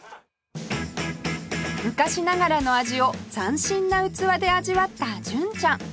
昔ながらの味を斬新な器で味わった純ちゃん